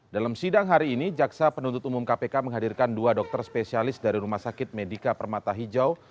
dalam sidang hari ini jaksa penuntut umum kpk menghadirkan dua dokter spesialis dari rumah sakit medika permata hijau